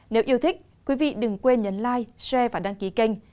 nếu yêu thích quý vị đừng quên nhấn like share và đăng ký kênh